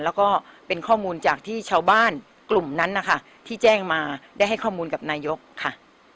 แล้วก็เป็นข้อมูลจากที่ชาวบ้านกลุ่มนั้นนะคะที่แจ้งมาได้ให้ข้อมูลกับนายกค่ะ